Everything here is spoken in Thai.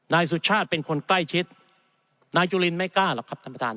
นายสุชาติเป็นคนใกล้ชิดนายจุลินไม่กล้าหรอกครับท่านประธาน